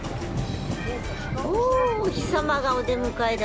おお、お日様がお出迎えだ。